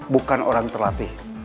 bukan orang terlatih